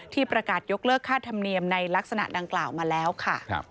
ประกาศยกเลิกค่าธรรมเนียมในลักษณะดังกล่าวมาแล้วค่ะ